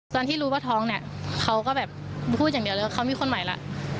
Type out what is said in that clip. ตอนที่รู้ว่าท้องเนี่ยเขาก็แบบพูดอย่างเดียวเลยว่าเขามีคนใหม่แล้ว